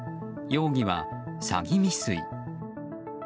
容疑は詐欺未遂。